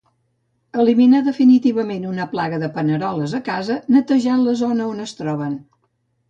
Eliminar definitivament una plaga de paneroles a casa netejant la zona on es troben